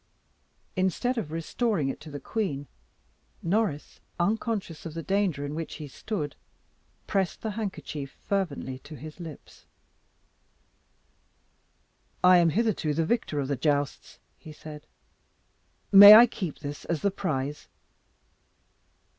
Instead of restoring it to the queen, Norris, unconscious of the danger in which he stood, pressed the handkerchief fervently to his lips. "I am hitherto the victor of the jousts," he said; "may I keep this as the prize?"